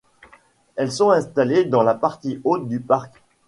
Elles sont installées dans la partie haute du parc.